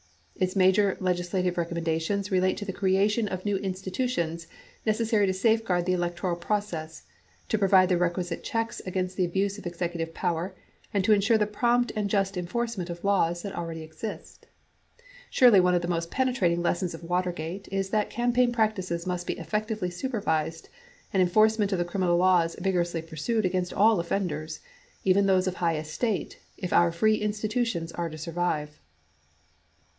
Its major legislative recommendations relate to the creation of new institutions necessary to safeguard the electoral process, to provide the requisite checks against the abuse of executive power and to insure the prompt and just enforcement of laws that already exist. Surely one of the most penetrating lessons of Watergate is that campaign practices must be effectively supervised and enforcement of the criminal laws vigorously pursued against all offenders — even those of high estate — if our free institutions are to survive.